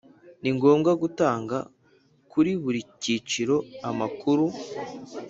ni ngombwa gutanga kuri buri cyiciro amakuru